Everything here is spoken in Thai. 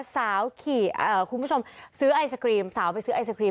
สาวขี่คุณผู้ชมซื้อไอศกรีมสาวไปซื้อไอศครีม